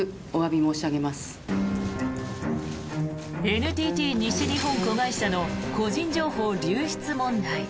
ＮＴＴ西日本子会社の個人情報流出問題。